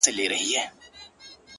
ستا خو د سونډو د خندا خبر په لپه كي وي؛